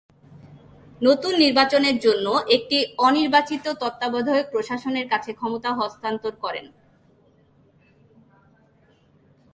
নতুন নির্বাচনের জন্য একটি অনির্বাচিত তত্ত্বাবধায়ক প্রশাসনের কাছে ক্ষমতা হস্তান্তর করেন।